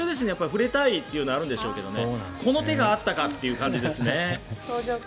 触れたいというのがあるんでしょうけどこの手があったかという感じです。